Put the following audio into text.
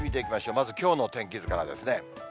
まずきょうの天気図からですね。